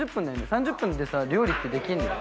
３０分でさ料理ってできるの？